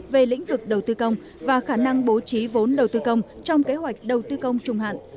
về lĩnh vực đầu tư công và khả năng bố trí vốn đầu tư công trong kế hoạch đầu tư công trung hạn